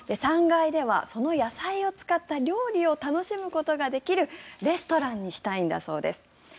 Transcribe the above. ３階ではその野菜を使った料理を楽しむことができるレストランにしたいんだそうです。